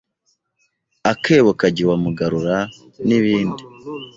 Akebo kajya iwamugarura, n’ibindi.